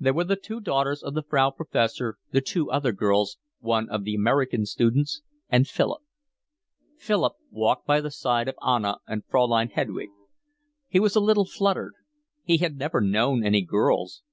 There were the two daughters of the Frau Professor, the two other girls, one of the American students, and Philip. Philip walked by the side of Anna and Fraulein Hedwig. He was a little fluttered. He had never known any girls.